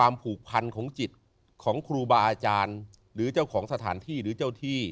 รูปเวทนาสังขารวิญญาณ